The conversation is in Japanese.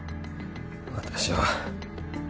私は